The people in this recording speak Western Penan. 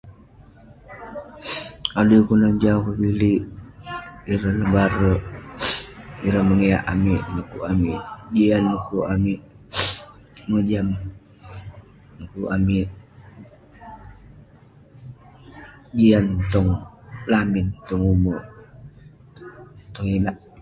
Adui kelunan jau kevilik ; ireh nebare, ireh mengiak amik dekuk amik jian, dekuk amik mojam, dekuk amik jian tong lamin, tong ume', tong inak.